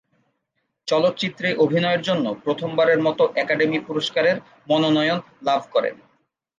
চলচ্চিত্রে অভিনয়ের জন্য প্রথমবারের মত একাডেমি পুরস্কারের মনোনয়ন লাভ করেন।